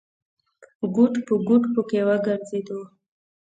ګوټ په ګوټ پکې وګرځېدو.